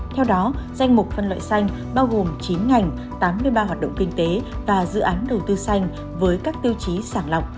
theo đó danh mục phân loại xanh bao gồm chín ngành tám mươi ba hoạt động kinh tế và dự án đầu tư xanh với các tiêu chí sản lọc